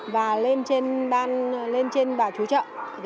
và lên trên bà chú chợ